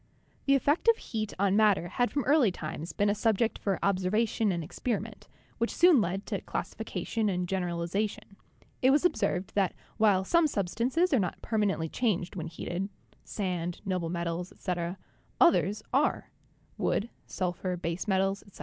The effect of heat on matter had from early times been a subject for observation and experiment, which soon led to classification and generalization. It was observed that while some substances are not permanently changed when heated (sand, noble metals, etc.), others are (wood, sul phur, base metals, etc.).